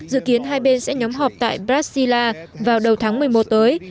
dự kiến hai bên sẽ nhóm họp tại brasila vào đầu tháng một mươi một tới